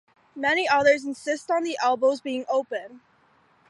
Many others insist on the elbows being open.